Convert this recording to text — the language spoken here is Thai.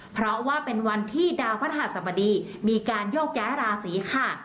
เพราะว่าเป็นวันที่ดาวพระหัสบดีมีการโยกย้ายราศีค่ะ